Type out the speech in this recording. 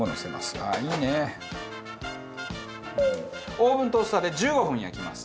オーブントースターで１５分焼きます。